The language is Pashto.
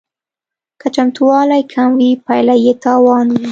که چمتووالی کم وي پایله یې تاوان وي